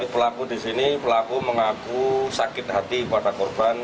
pelaku di sini pelaku mengaku sakit hati kepada korban